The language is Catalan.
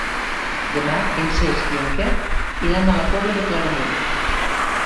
Demà en Cesc i en Quer iran a la Pobla de Claramunt.